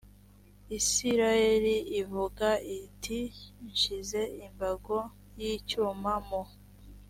isirayeli ivuga iti nshyize imbago y icyuma mu